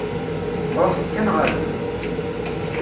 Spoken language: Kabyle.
Ṛuḥet kan ɣer din.